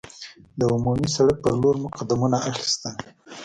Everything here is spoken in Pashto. د عمومي سړک پر لور مو قدمونه اخیستل.